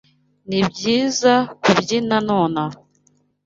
Nibyiza kubyina nonaha